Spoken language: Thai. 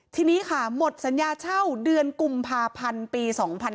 ทีนี้ค่ะหมดสัญญาเช่าเดือนกุมภาพันธ์ปี๒๕๕๙